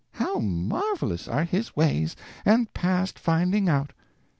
"How marvelous are His ways, and past finding out!"